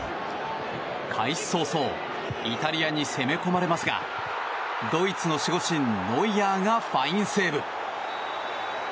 開始早々イタリアに攻め込まれますがドイツの守護神ノイアーがファインセーブ。